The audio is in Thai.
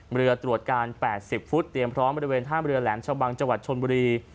เรือตรวจการ๘๐ฟุตเตรียมพร้อมบริเวณท่ามเรือแหลมชะบังจังหวัดชนบุรี